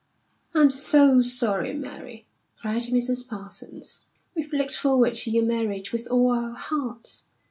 "I am so sorry, Mary!" cried Mrs. Parsons. "We've looked forward to your marriage with all our hearts.